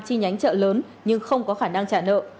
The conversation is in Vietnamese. chi nhánh chợ lớn nhưng không có khả năng trả nợ